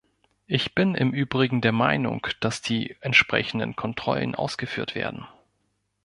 Ich bin im übrigen der Meinung, dass die entsprechenden Kontrollen ausgeführt werden.